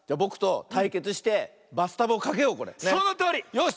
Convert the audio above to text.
よし！